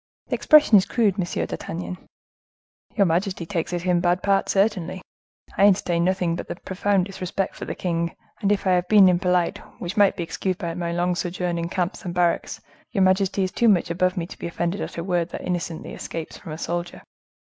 "The expression is crude, Monsieur d'Artagnan." "Your majesty takes it in bad part, certainly. I entertain nothing but the profoundest respect for the king; and if I have been impolite, which might be excused by my long sojourn in camps and barracks, your majesty is too much above me to be offended at a word that innocently escapes from a soldier."